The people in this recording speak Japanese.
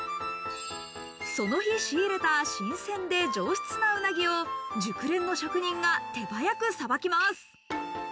その日、仕入れた新鮮で上質なうなぎを熟練の職人が手早くさばきます。